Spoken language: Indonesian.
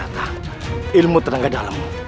ternyata ilmu tenaga dalem